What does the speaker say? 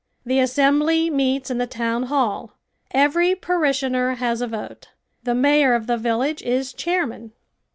The assembly meets in the town hall. Every parishioner has a vote. The mayor of the village is chairman.